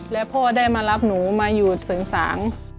และพ่อได้มารับหนูมาอยู่เสริงสาง